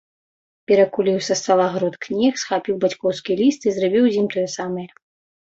Перакуліў са стала груд кніг, схапіў бацькоўскі ліст і зрабіў з ім тое самае.